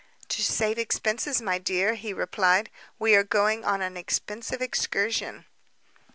"To save expences, my dear," he replied—"we are going on an expensive excursion."